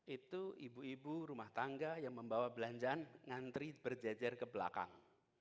itu ibu ibu rumah tangga yang membawa belanjaan ngantri berjejer ke belakang